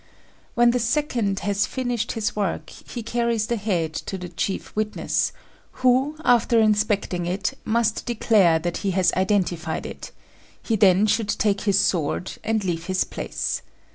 When the second has finished his work, he carries the head to the chief witness, who, after inspecting it, must declare that he has identified it; he then should take his sword, and leave his place.